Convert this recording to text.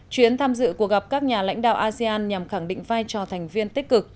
chuyến tham dự cuộc gặp các nhà lãnh đạo asean nhằm khẳng định vai trò thành viên tích cực